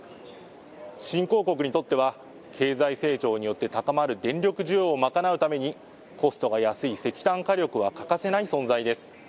新興国にとっては経済成長によって高まる電力需要を賄うために、コストが安い石炭火力は欠かせない存在です。